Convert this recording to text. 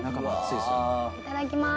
いただきます。